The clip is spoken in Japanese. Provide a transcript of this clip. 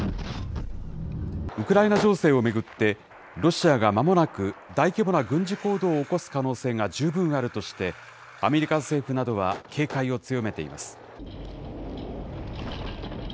ウクライナ情勢を巡って、ロシアがまもなく大規模な軍事行動を起こす可能性が十分あるとして、アメリカ政府などは警戒を強めています。